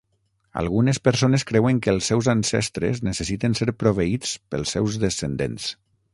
Algunes persones creuen que els seus ancestres necessiten ser proveïts pels seus descendents.